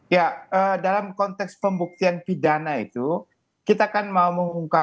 ya dalam konteks pembuktian pidana itu kita kan mau mengungkapkan